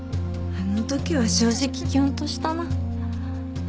あの時は正直キュンとしたな。